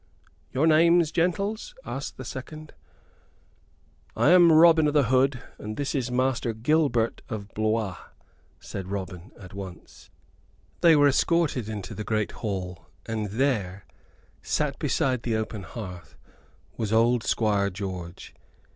"Your names, gentles?" asked the second. "I am Robin o' th' Hood, and this is Master Gilbert of Blois," said Robin, at once. They were escorted into the great hall, and there, sat beside the open hearth, was old Squire George.